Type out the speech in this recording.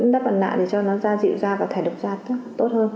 đắp bằng nạ để cho nó da dịu da và thải độc da tốt hơn